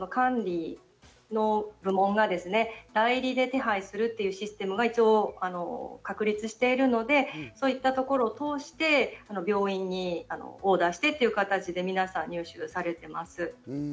持病のある方については、マンション、団地の管理の部門が代理で手配するというシステムが一応、確立しているので、そういったところを通して病院にオーダーしてという形で皆さんに入手されています。